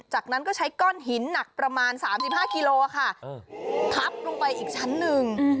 จากนั้นก็ใช้ก้อนหินหนักประมาณสามสิบห้ากิโลกรัมค่ะเออทับลงไปอีกชั้นหนึ่ง